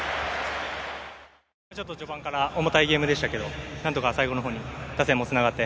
序盤から重たいゲームでしたけど何とか最後のほうに打線もつながって